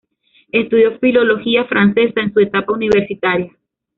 Estudió filología francesa en su etapa universitaria.